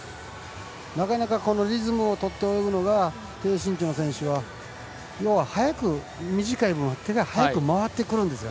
なかなかこのリズムを取って泳ぐのが低身長の選手は手が早く回ってくるんです。